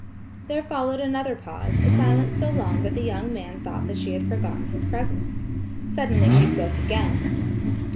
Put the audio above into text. There followed another pause, a silence so long that the young man thought that she had forgotten his presence. Suddenly she spoke again.